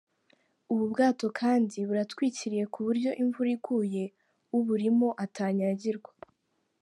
Ubu bwato kandi buratwikiriye ku buryo imvura iguye uburimo atanyagirwa.